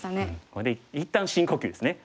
ここで一旦深呼吸ですね。